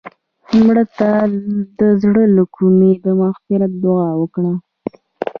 مړه ته د زړه له کومې د مغفرت دعا وکړه